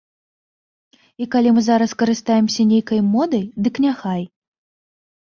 І, калі мы зараз карыстаемся нейкай модай, дык няхай!